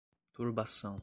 turbação